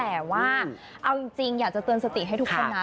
แต่ว่าเอาจริงอยากจะเตือนสติให้ทุกคนนะ